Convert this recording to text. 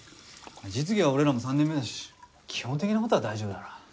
実技は俺らも３年目だし基本的な事は大丈夫だろ。